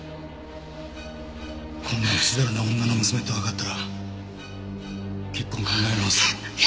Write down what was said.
こんなふしだらな女の娘ってわかったら結婚を考え直すかも。